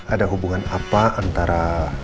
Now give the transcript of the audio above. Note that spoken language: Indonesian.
ada hubungan apa antara